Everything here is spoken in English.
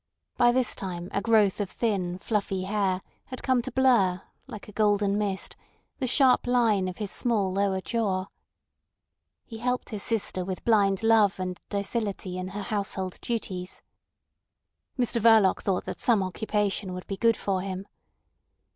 By this time a growth of thin fluffy hair had come to blur, like a golden mist, the sharp line of his small lower jaw. He helped his sister with blind love and docility in her household duties. Mr Verloc thought that some occupation would be good for him.